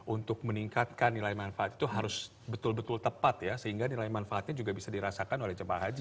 untuk meningkatkan nilai manfaat itu harus betul betul tepat ya sehingga nilai manfaatnya juga bisa dirasakan oleh jemaah haji